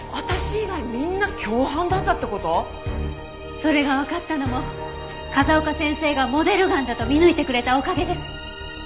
それがわかったのも風丘先生がモデルガンだと見抜いてくれたおかげです。